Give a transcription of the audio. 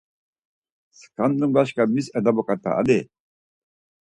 Skanden başka miz elebukta ali